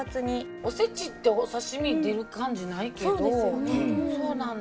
おせちってお刺身出る感じないけどそうなんだ。